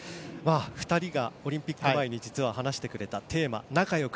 ２人がオリンピック前に実は話してくれたテーマ仲よく